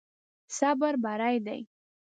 صبر بری دی.